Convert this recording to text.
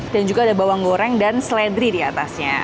dan juga ada bawang goreng dan seledri di atasnya